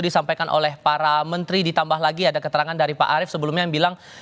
disampaikan oleh para menteri ditambah lagi ada keterangan dari pak arief sebelumnya yang bilang